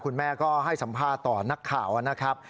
คุณแม่ก็ให้สัมภาษณ์ต่อนักข่าวนะครับ